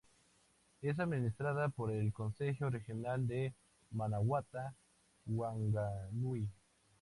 Es administrada por el Consejo regional de Manawatu-Wanganui.